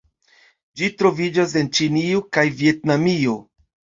Ĝi troviĝas en Ĉinio kaj Vjetnamio.